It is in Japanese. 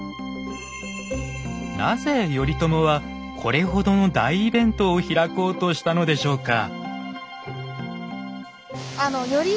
なぜ頼朝はこれほどの大イベントを開こうとしたのでしょうか。